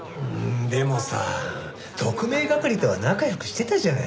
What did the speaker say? でもさあ特命係とは仲良くしてたじゃない。